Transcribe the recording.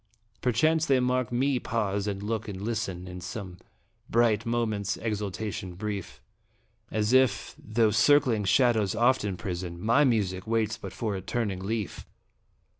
Perchance they mark me pause and look and listen, In some bright moment's exaltation brief, As if, though circling shadows oft imprison, My music waits but for a turning leaf